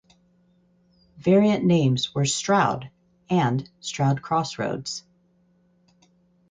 Variant names were "Stroud" and "Stroud Crossroads".